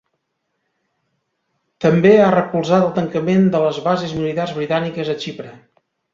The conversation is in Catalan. També ha recolzat el tancament de les bases militars britàniques a Xipre.